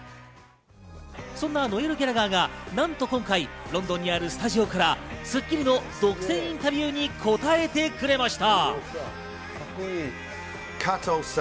そんなノエル・ギャラガーがなんと今回、ロンドンにあるスタジオから『スッキリ』の独占インタビューに答えてくれました。